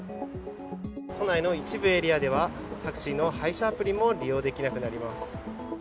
都内の一部エリアにはタクシーの配車アプリも利用できなくなります。